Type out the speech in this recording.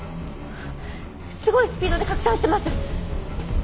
すごいスピードで拡散してます！